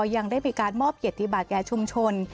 ยังได้มีการมอบเกียรติบัติแก่ชุมชน